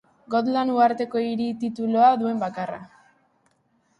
Gotland uharteko hiri titulua duen bakarra.